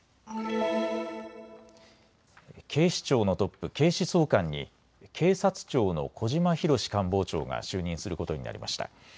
警視庁のトップ、警視総監に警察庁の小島裕史官房長が就任することになりました。